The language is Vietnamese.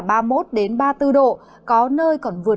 có nơi còn vượt ngưỡng ba mươi bốn độ cảm giác hơi oi bức